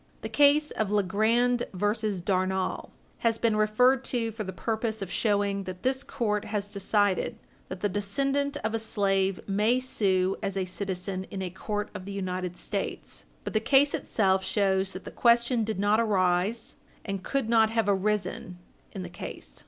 The case of Legrand v. Darnall, 2 Peters 664, has been referred to for the purpose of showing that this court has decided that the descendant of a slave may sue as a citizen in a court of the United States, but the case itself shows that the question did not arise and could not have arisen in the case.